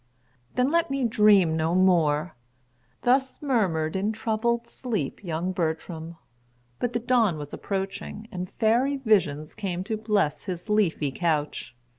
"Then let me dream no more!" Thus murmured in troubled sleep young Bertram; but the dawn was approaching, and fairy visions came to bless his leafy couch.